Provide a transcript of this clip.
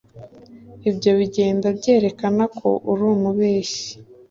Ibyo bigenda byerekana ko uri umubeshyi.